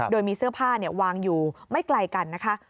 โดยมีเสื้อผ้าวางอยู่ไม่ไกลกันนะคะ